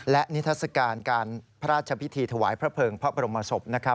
และนิทัศกาลการพระราชพิธีถวายพระเภิงพระบรมศพนะครับ